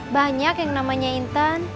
banyak yang namanya intan